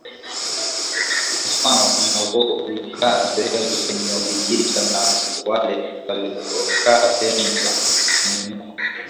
Kwa mfano kuna ukoo uliokaa sehemu zenye walijiita na wale waliokaa sehemu za mwinuko